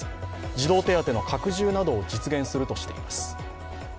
児童手当の拡充などを実現するとしています。